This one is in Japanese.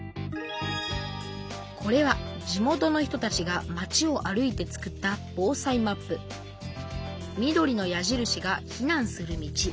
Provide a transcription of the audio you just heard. これは地元の人たちが町を歩いて作った緑の矢印が避難する道。